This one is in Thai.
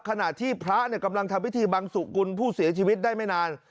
ขณะที่พระกำลังทำพิธีบังสุกุลผู้เสียชีวิตได้ไม่นาน